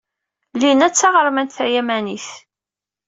Lina d taɣermant tayamanit.